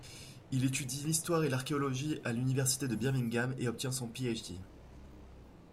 Il étudie l'histoire et l'archéologie à l'université de Birmingham et obtient son Ph.D.